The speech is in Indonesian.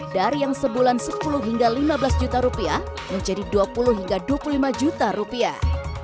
dari yang sebulan sepuluh hingga lima belas juta rupiah menjadi dua puluh hingga dua puluh lima juta rupiah